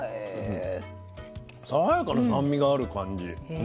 爽やかな酸味がある感じ。